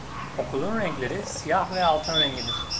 Okulun renkleri siyah ve altın rengidir.